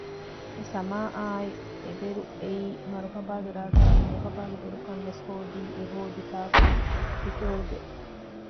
އެސަމާއާއި އެބެރު އެއީ މަރުހަބާގެ ރާގާއި މަރުހަބާގެ ބެރުކަން ވެސް ހޯދީ އެހޯދި ތާކުން ޕިޗޯރުބޭ